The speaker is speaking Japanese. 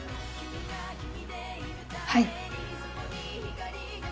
はい。